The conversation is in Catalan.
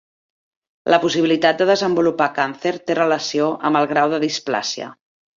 La possibilitat de desenvolupar càncer té relació amb el grau de displàsia.